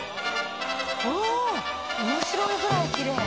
うん面白いぐらいきれい。